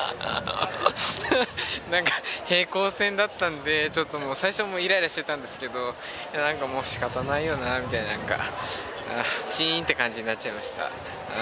なんか平行線だったんでちょっともう最初はイライラしてたんですけどなんかもう仕方ないよなみたいななんかチーンって感じになっちゃいました。